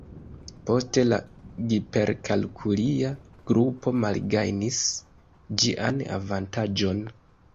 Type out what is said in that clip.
Poste la giperkalkulia grupo malgajnis ĝian avantaĝon.